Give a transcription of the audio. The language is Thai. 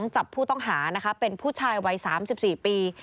จับผู้ต้องหานะคะเป็นผู้ชายวัย๓๔ปี